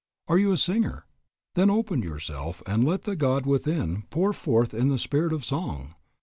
Are you a singer? Then open yourself and let the God within pour forth in the spirit of song.